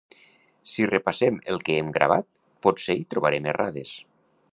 Si repassem el que hem gravat potser hi trobarem errades.